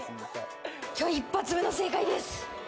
きょう一発目の正解です。